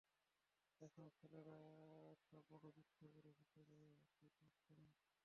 এখন, ছেলেরা একটা বড় বৃত্ত করে, ভেতরের দিক মুখ করো।